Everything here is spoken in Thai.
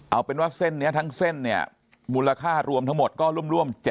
เอาเป็นว่าเส้นนี้ทั้งเส้นเนี่ยมูลค่ารวมทั้งหมดก็ร่วม๗๐